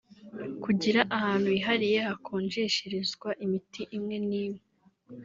kugira ahantu hihariye hakonjesherezwa imiti imwe n’imwe